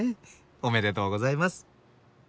おめでとうございます。